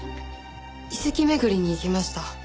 遺跡巡りに行きました。